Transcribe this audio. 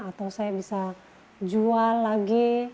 atau saya bisa jual lagi